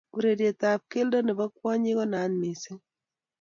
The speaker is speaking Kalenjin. Urerietab keldo nebo kwonyik ko naat mising